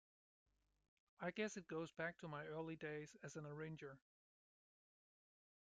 I guess it goes back to my early days as an arranger.